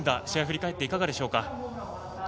試合振り返っていかがでしょうか。